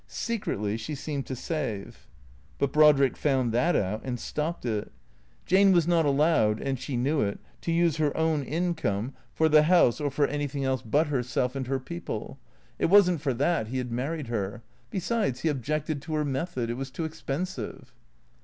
Secretly, she seemed to save. But Brodrick found that out and stopped it. Jane was not i8 282 THE CEEATOES allowed, and she knew it, to use her own income for the house or for anything else but herself and her people. It was n't for that he had married her. Besides, he objected to her method. It was too expensive.